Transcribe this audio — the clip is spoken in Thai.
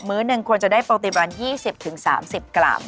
มื้อหนึ่งควรจะได้ปกติประมาณ๒๐๓๐กรัม